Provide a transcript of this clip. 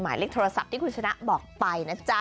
หมายเลขโทรศัพท์ที่คุณชนะบอกไปนะจ๊ะ